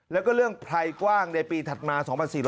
แล้วก็เรื่องไพรกว้างในปีถัดมา๒๔๕